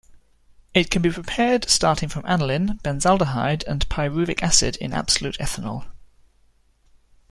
It can be prepared starting from anilin, benzaldehyde and pyruvic acid in absolute ethanol.